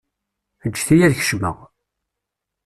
Ǧǧet-iyi ad kecmeɣ.